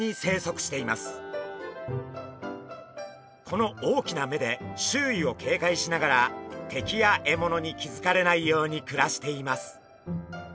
この大きな目で周囲をけいかいしながら敵や獲物に気付かれないように暮らしています。